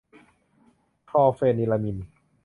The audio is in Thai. คลอร์เฟนิรามีน